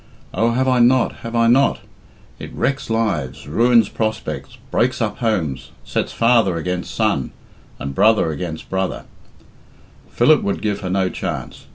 Oh, have I not, have I not? It wrecks lives, ruins prospects, breaks up homes, sets father against son, and brother against brother " Philip would give her no chance.